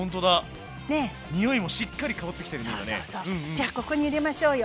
じゃここに入れましょうよ。